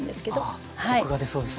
あコクが出そうですね。